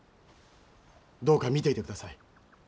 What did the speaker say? どうか見ていて下さい。